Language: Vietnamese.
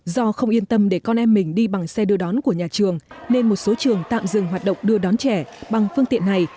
do không yên tâm để con em mình đi bằng xe đưa đón của nhà trường nên một số trường tạm dừng hoạt động đưa đón trẻ bằng phương tiện này